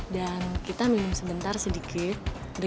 tapi kita jangan disini